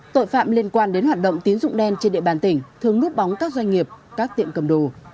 tội phạm liên quan đến hoạt động tín dụng đen trên địa bàn tỉnh thường núp bóng các doanh nghiệp các tiệm cầm đồ